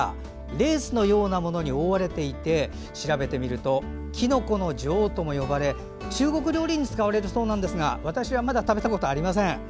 レースのようなものに覆われていて、調べてみるときのこの女王とも呼ばれ中国料理に使われるそうなんですが私はまだ食べたことありません。